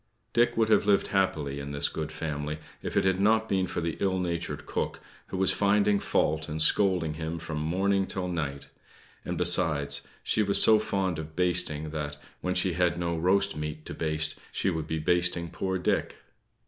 Dick would have lived happily in this good family, if it had not been for the ill natured cook, who was finding fault and scolding him from morning till night; and, besides, she was so fond of basting, that, when she had no roast meat to baste, she would be basting poor Dick.